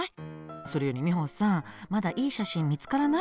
それよりミホさんまだいい写真見つからない？